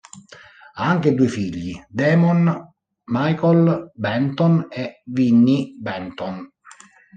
Ha anche due figli, Daemon Micheal Benton e Vinnie Benton.